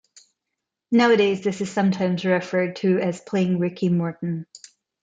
Nowadays, this is sometimes referred to as "Playing Ricky Morton".